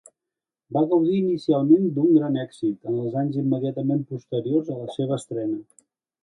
Va gaudir inicialment d'un gran èxit, en els anys immediatament posteriors a la seva estrena.